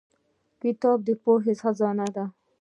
• کتاب د پوهې خزانه ده.